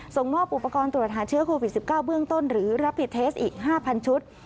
ส่งมอบอุปกรณ์ตรวจหาเชื้อโควิด๑๙เบื้องต้นหรือรับผิดเทสอีก๕๐๐ชุด